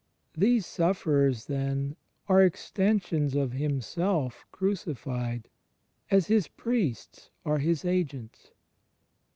These sufferers, then, are extensions of Himself crucified, as His priests are His agents.